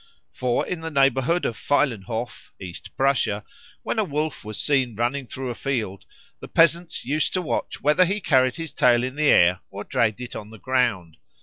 For in the neighbourhood of Feilenhof (East Prussia), when a wolf was seen running through a field, the peasants used to watch whether he carried his tail in the air or dragged it on the ground.